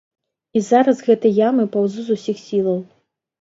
І зараз з гэтай ямы паўзу з усіх сілаў.